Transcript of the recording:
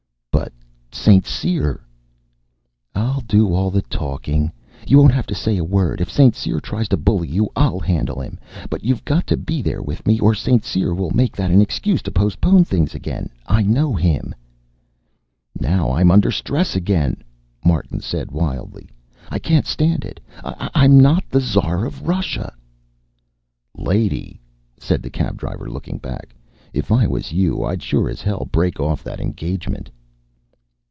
"But St. Cyr " "I'll do all the talking. You won't have to say a word. If St. Cyr tries to bully you, I'll handle him. But you've got to be there with me, or St. Cyr will make that an excuse to postpone things again. I know him." "Now I'm under stress again," Martin said wildly. "I can't stand it. I'm not the Tsar of Russia." "Lady," said the cab driver, looking back, "if I was you, I'd sure as hell break off that engagement."